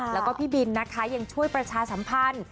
แล้วก็พี่บินนะคะยังช่วยประชาสัมพันธ์